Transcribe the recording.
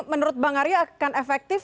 menurut bang arya akan efektif